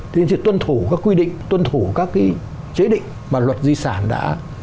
thế nên thì tuân thủ các quy định tuân thủ các chế định mà luật di sản đã